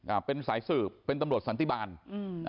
อ่าเป็นสายสืบเป็นตำรวจสันติบาลอืมอ่า